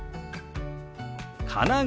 「神奈川」。